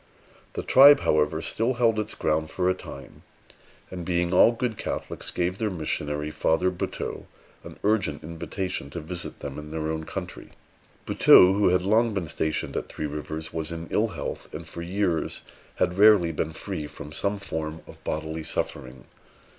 The tribe, however, still held its ground for a time, and, being all good Catholics, gave their missionary, Father Buteux, an urgent invitation to visit them in their own country. Buteux, who had long been stationed at Three Rivers, was in ill health, and for years had rarely been free from some form of bodily suffering.